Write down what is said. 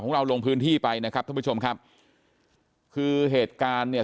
เราลงพื้นที่ไปนะครับท่านผู้ชมครับคือเหตุการณ์เนี่ย